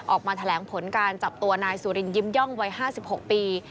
ออกมาแถลงผลการจับตัวนายสุรินยิ้มย่องวัย๕๖ปี